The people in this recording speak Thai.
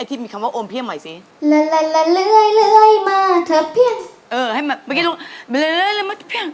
ไอ้ที่มีคำว่าอมเพี้ยไหมซิล้าร้ายล้อเล้วยมาถอบเพี้ย